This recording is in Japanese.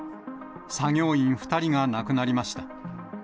作業員２人が亡くなりました。